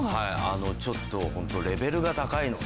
ちょっとホントレベルが高いので。